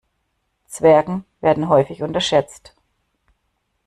Zwergen werden häufig unterschätzt.